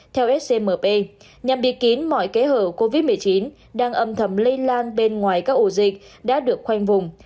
theo scmp nhằm bịt kín mọi kẽ hở covid một mươi chín đang âm thầm lây lan bên ngoài các ổ dịch đã được khoanh vùng